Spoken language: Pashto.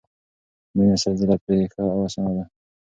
مړینه سل ځله پرې ښه او اسانه ده